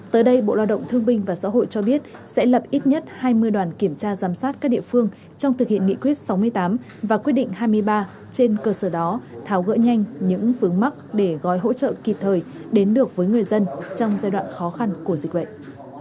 tới đây bộ lao động thương binh và xã hội cho biết sẽ lập ít nhất hai mươi đoàn kiểm tra giám sát các địa phương trong thực hiện nghị quyết sáu mươi tám và quyết định hai mươi ba trên cơ sở đó tháo gỡ nhanh những vướng mắc để gói hỗ trợ kịp thời đến được với người dân trong giai đoạn khó khăn của dịch bệnh